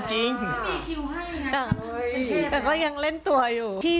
แต่ก็ยังเล่นตัวอยู่ที่